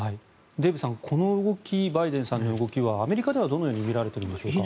デーブさん、この動きバイデンさんの動きはアメリカではどのように見られているんでしょうか？